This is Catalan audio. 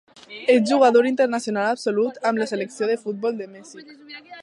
És jugador internacional absolut amb la Selecció de futbol de Mèxic.